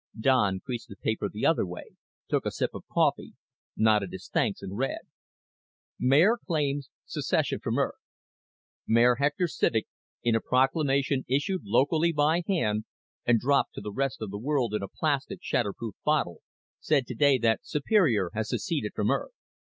Don creased the paper the other way, took a sip of coffee, nodded his thanks, and read: MAYOR CLAIMS SECESSION FROM EARTH _Mayor Hector Civek, in a proclamation issued locally by hand and dropped to the rest of the world in a plastic shatter proof bottle, said today that Superior has seceded from Earth.